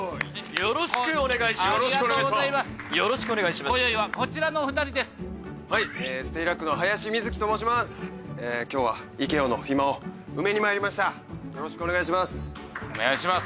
よろしくお願いします。